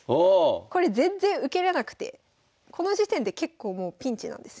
これ全然受けれなくてこの時点で結構もうピンチなんです。